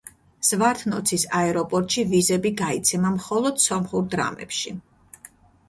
ზვართნოცის აეროპორტში ვიზები გაიცემა მხოლოდ სომხურ დრამებში.